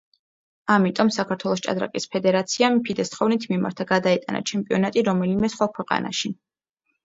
ამიტომ საქართველოს ჭადრაკის ფედერაციამ ფიდეს თხოვნით მიმართა გადაეტანა ჩემპიონატი რომელიმე სხვა ქვეყანაში.